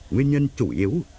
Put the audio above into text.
nguyên nhân chủ yếu